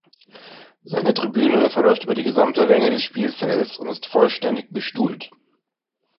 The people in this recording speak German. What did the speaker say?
Seine Tribüne verläuft über die gesamte Länge des Spielfelds und ist vollständig bestuhlt.